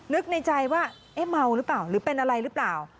นึกในใจว่าเอ๊ะเมาหรือเปล่าหรือเป็นอะไรหรือเปล่า